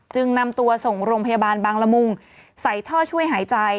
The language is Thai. นำตัวส่งโรงพยาบาลบางละมุงใส่ท่อช่วยหายใจ